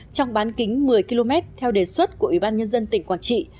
trong bán kính một mươi km theo đề xuất của ủy ban nhân dân tỉnh quảng trị